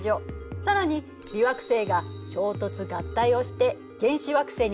更に微惑星が衝突・合体をして原始惑星になりました。